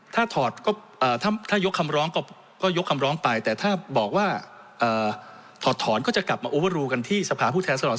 ถ้าถอดก็ถ้ายกคำร้องก็ยกคำร้องไปแต่ถ้าบอกว่าถอดถอนก็จะกลับมาโอเวอรูกันที่สภาพผู้แทนสด